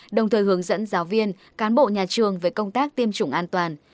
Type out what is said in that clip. đồng thời hướng dẫn giáo viên cán bộ nhà trường về công tác tiêm chủng an toàn